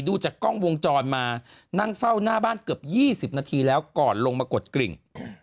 ดูจากกล้องวงจรมานั่งเฝ้าหน้าบ้านเกือบ๒๐นาทีแล้วก่อนลงมากดกลิ่ง